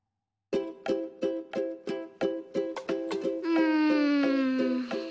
うん。